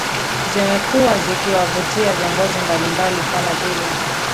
Zimekuwa zikiwavutia viongozi mbali mbali kama vile